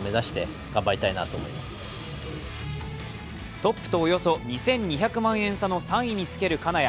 トップとおよそ２２００万円差の３位につける金谷。